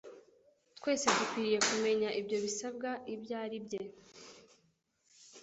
Twese dukwiriye kumenya ibyo bisabwa ibyo ari bye.